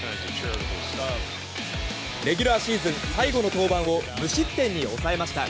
レギュラーシーズン最後の登板を無失点に抑えました。